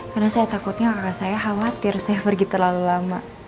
karena saya takutnya kakak saya khawatir saya pergi terlalu lama